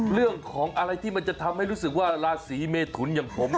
เรื่องของอะไรที่มันจะทำให้รู้สึกว่าราศีเมทุนอย่างผม